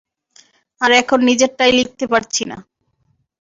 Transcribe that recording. আর এখন নিজেরটাই লিখতে পারছি না।